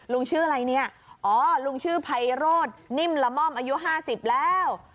ลุงชื่ออะไรเนี่ยอ๋อลุงชื่อไพโรธนิ่มละม่อมอายุ๕๐แล้ว